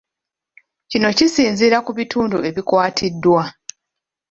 Kino kisinziira ku bitundu ebikwatiddwa